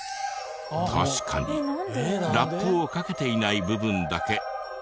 確かにラップをかけていない部分だけ温度が低い。